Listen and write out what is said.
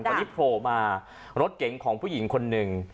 กว่าที่โผล่มารถเก่งของผู้หญิงคนนึง